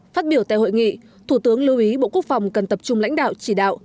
phát biểu tại hội nghị thủ tướng lưu ý bộ quốc phòng cần tập trung lãnh đạo chỉ đạo